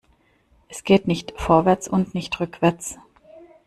Es geht nicht vorwärts und nicht rückwärts.